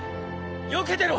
避けてろ！